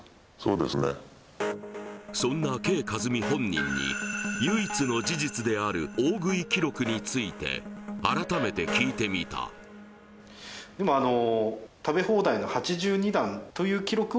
なるほどそんなＫ．カズミ本人に唯一の事実である大食い記録について改めて聞いてみたでもあの